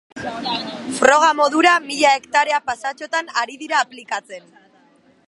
Froga modura mila hektarea pasatxotan ari dira aplikatzen.